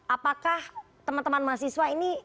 apakah teman teman mahasiswa ini